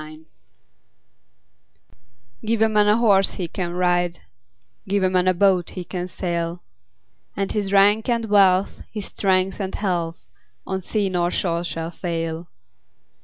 Gifts GIVE a man a horse he can ride, Give a man a boat he can sail; And his rank and wealth, his strength and health, On sea nor shore shall fail.